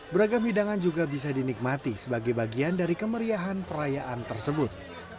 beragam hidangan juga bisa dinikmati sebagai bagian dari kemeriahan perayaan tersebut